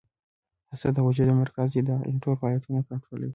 هسته د حجرې مرکز دی او د هغې ټول فعالیتونه کنټرولوي